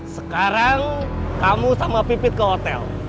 sekarang kamu sama pipit ke hotel